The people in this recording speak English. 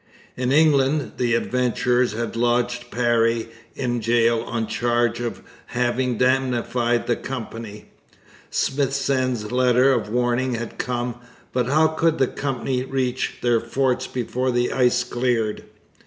In England the adventurers had lodged 'Parry' in jail on a charge of having 'damnified the Company.' Smithsend's letter of warning had come; but how could the Company reach their forts before the ice cleared?